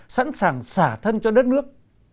sẵn sàng xả thân cho đất nước